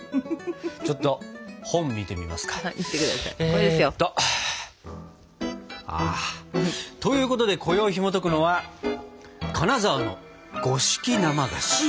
ちょっと本見てみますか。ということでこよいひもとくのは「金沢の五色生菓子」。